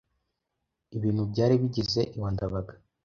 Ibintu byari bigeze iwa ndabaga.